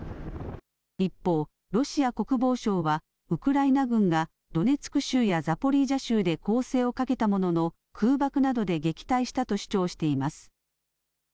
一方、ロシア国防省はウクライナ軍がドネツク州やザポリージャ州で攻勢をかけたものの空爆などで撃退したと主張しています。